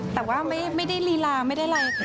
แต่ว่าไม่ได้ลีลาไม่ได้อะไร